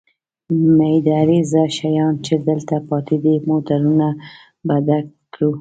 مېده رېزه شیان چې دلته پاتې دي، موټرونه به په ډک کړو.